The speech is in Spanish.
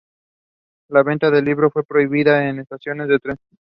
La venta del libro fue prohibida en las estaciones de tren.